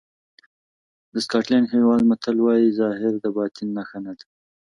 د سکاټلېنډ هېواد متل وایي ظاهر د باطن نښه نه ده.